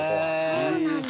そうなんだ。